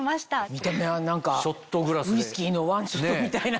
見た目は何かウイスキーのワンショットみたいな。